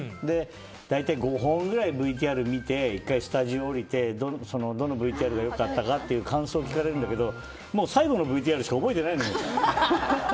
大体５本くらいＶＴＲを見て１回スタジオ降りてどのＶＴＲが良かったかって感想を聞かれるんだけど最後のＶＴＲしか覚えてないのよ。